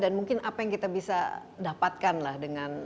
mungkin apa yang kita bisa dapatkan lah dengan